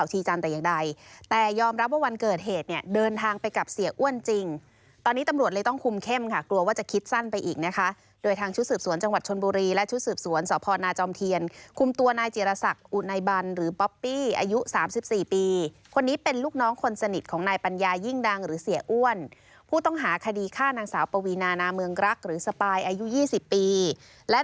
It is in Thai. จับรวจเลยต้องคุมเข้มค่ะกลัวว่าจะคิดสั้นไปอีกนะคะโดยทางชุดสืบสวนจังหวัดชนบุรีและชุดสืบสวนสนจอมเทียนคุมตัวนายเจียรษักอุนัยบัลหรือป๊อปปี้อายุ๓๔ปีคนนี้เป็นลูกน้องคนสนิทของนายปัญญายิ่งดังหรือเสียอ้วนผู้ต้องหาคดีฆ่านางสาวปวีนานามืองรักหรือสปายอายุ๒๐ปีและ